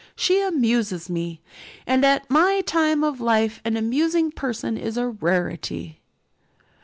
"She amuses me, and at my time of life an amusing person is a rarity."